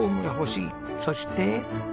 そして。